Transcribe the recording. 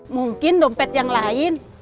mungkin dompet yang lain